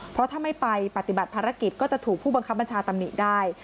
เพราะถ้าไม่ไปปฏิบัติภารกิจก็จะถูกผู้บังคับบัญชาตำหนิได้